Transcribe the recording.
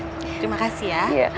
terima kasih ya